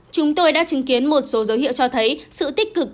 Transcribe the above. chúng tôi đã chứng kiến một số dấu hiệu cho thấy sự tích cực